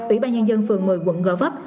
ủy ban nhân dân phường một mươi quận gò vấp